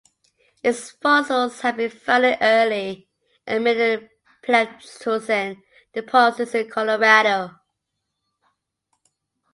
Its fossils have been found in Early and Middle Pleistocene deposits in Colorado.